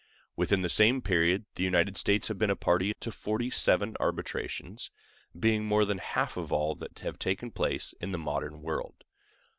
Within the same period the United States have been a party to forty seven arbitrations—being more than half of all that have taken place in the modern world.